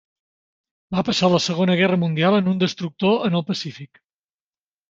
Va passar la Segona Guerra Mundial en un destructor en el Pacífic.